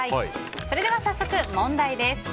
それでは早速問題です。